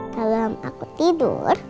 kalau aku tidur